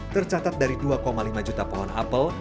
tercatat dari dua lima juta pohon apel